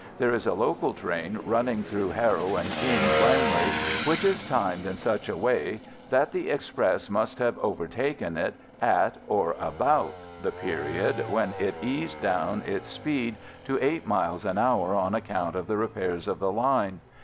There is a local train running through Harrow and King's Langley, which is timed in such a way that the express must have overtaken it at or about the period when it eased down its speed to eight miles an hour on account of the repairs of the line.